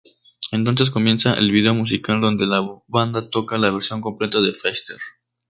Entonces comienza el video musical donde la banda toca la versión completa de Faster.